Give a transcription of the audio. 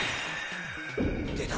出た！